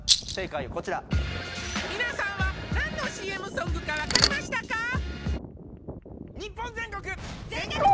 正解はこちら皆さんは何のＣＭソングかわかりましたか？